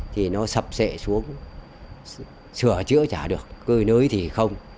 thì nó sập xệ xuống sửa chữa chả được cơi nới thì không